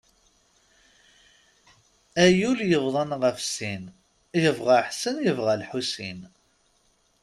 Ay ul yebḍan ɣef sin, yebɣa Ḥsen, yebɣa Lḥusin.